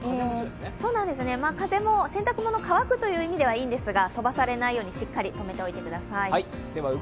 風も洗濯物が乾くという意味ではいいんですが飛ばされないように、しっかり止めておいてください。